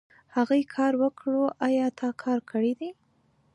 هغې کار وکړو ايا تا کار کړی دی ؟